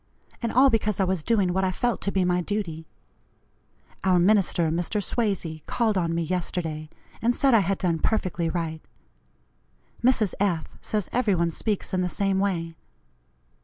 And all because I was doing what I felt to be my duty. Our minister, Mr. Swazey, called on me yesterday and said I had done perfectly right. Mrs. F says every one speaks in the same way.